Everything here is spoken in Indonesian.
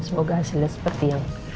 semoga hasilnya seperti yang